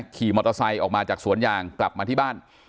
ขี่มอเตอร์ไซค์ออกมาจากสวนยางกลับมาที่บ้าน